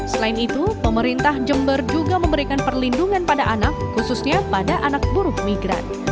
selain itu pemerintah jember juga memberikan perlindungan pada anak khususnya pada anak buruh migran